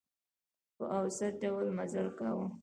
په اوسط ډول مزل کاوه.